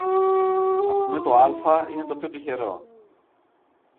Ας πούμε το άλφα είναι το πιο τυχερό